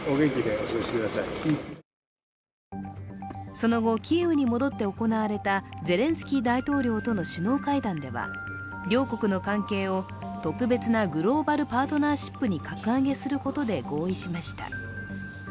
その後、キーウに戻って行われたゼレンスキー大統領との首脳会談では両国の関係を特別なグローバルパートナーシップに格上げすることで合意しました。